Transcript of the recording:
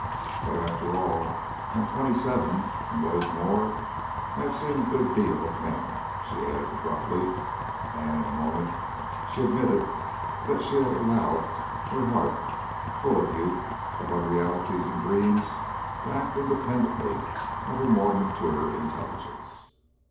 "But after all, I am twenty seven, and what is more, I have seen a good deal of men," she added abruptly. And in a moment she admitted that she had allowed her heart, full of the youth of unrealities and dreams, to act independently of her more mature intelligence.